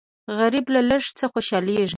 غریب له لږ څه خوشالېږي